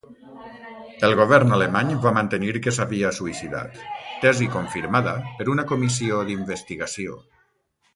El govern alemany va mantenir que s'havia suïcidat, tesi confirmada per una comissió d'investigació.